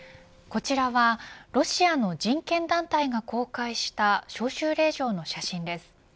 こちらはロシアの人権団体が公開した招集令状の写真です。